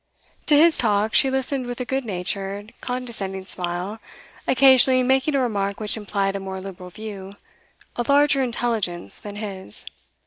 To his talk she listened with a good natured, condescending smile, occasionally making a remark which implied a more liberal view, a larger intelligence, than his.